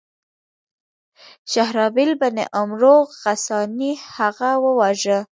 شهرابیل بن عمرو غساني هغه وواژه.